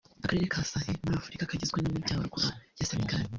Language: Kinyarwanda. Akarere ka Sahel muri Afurika kagizwe n’amajyaruguru ya Senegal